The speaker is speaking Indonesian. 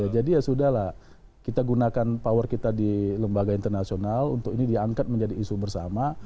jadi ya sudah lah kita gunakan power kita di lembaga internasional untuk ini diangkat menjadi isu bersama